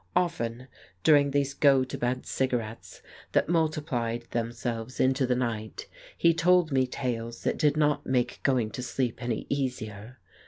Often, during these "go to bed" cigarettes that multiplied themselves into the night, he told me tales that did not make going to sleep any easier.